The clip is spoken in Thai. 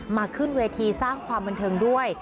ขึ้นเวทีสร้างความบันเทิงด้วย